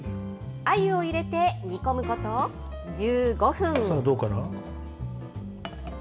あゆを入れて煮込むこと１５分。